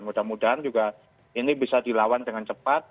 mudah mudahan juga ini bisa dilawan dengan cepat